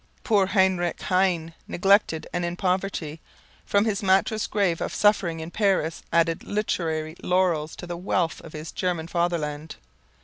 Poor Heinrich Heine, neglected and in poverty, from his "mattress grave" of suffering in Paris added literary laurels to the wreath of his German Fatherland.